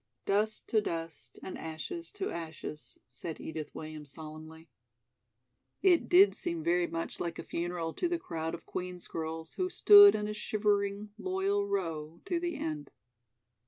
"Dust to dust and ashes to ashes," said Edith Williams, solemnly. It did seem very much like a funeral to the crowd of Queen's girls who stood in a shivering, loyal row to the end.